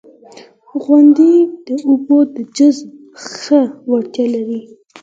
• غونډۍ د اوبو د جذب ښه وړتیا لري.